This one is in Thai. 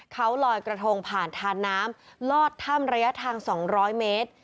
เขาลอยกระทงผ่านทานน้ำลอดถ้ำระยะทาง๒๐๐เมตร